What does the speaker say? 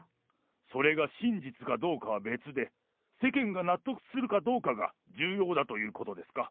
それが真実かどうかは別で、世間が納得するかどうかが重要だということですか。